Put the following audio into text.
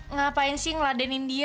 ngapain sih ngeladenin dia